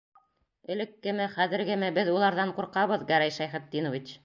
Элеккеме, хәҙергеме, беҙ уларҙан ҡурҡабыҙ, Гәрәй Шәйхетдинович.